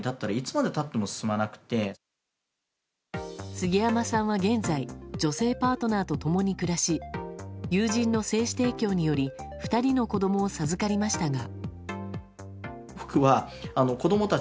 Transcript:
杉山さんは現在女性パートナーと共に暮らし友人の精子提供により２人の子供を授かりましたが。